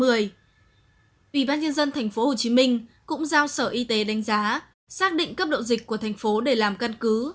ubnd tp hồ chí minh cũng giao sở y tế đánh giá xác định cấp độ dịch của thành phố để làm căn cứ